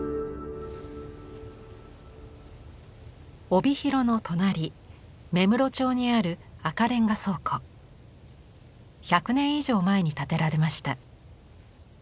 帯広の隣芽室町にある１００年以上前に建てられました。